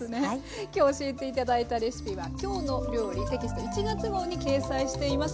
今日教えて頂いたレシピは「きょうの料理」テキスト１月号に掲載しています。